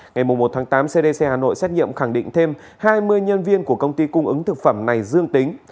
ngày một tháng tám cdc hà nội xét nghiệm khẳng định thêm hai mươi nhân viên của công ty cung ứng thực phẩm này dương tính